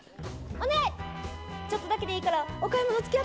お願い！